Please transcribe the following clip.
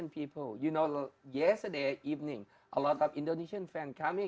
ternyata malam tadi banyak orang indonesia datang ke sini